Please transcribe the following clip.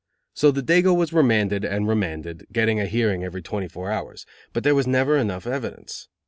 So the dago was remanded and remanded, getting a hearing every twenty four hours, but there was never enough evidence.